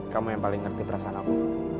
kamu yang paling ngerti perasaan aku